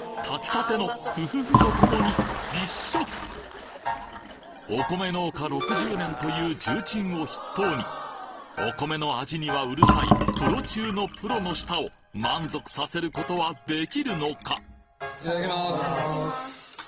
炊きたての富富富と共にお米農家６０年という重鎮を筆頭にお米の味にはうるさいプロ中のプロの舌を満足させることはできるのか！？